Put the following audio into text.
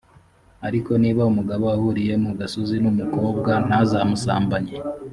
ariko niba umugabo ahuriye mu gasozi n’umukobwa ntazamusambanye.